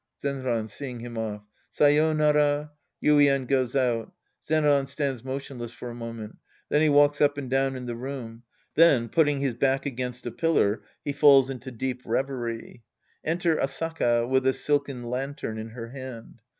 Zenran {seeing him off). Sayonara. (Yuien j ofj out. Zenran stands motionless for a moment. Then he •walks up and down in the room. Then, putting his back against a pillar, he falls into deep revery. Enter AsAKA, with a silken lantern in her hand.